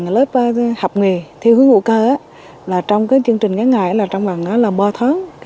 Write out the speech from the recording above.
lớp học nghề theo hướng ủ cơ trong chương trình ngắn ngại là ba tháng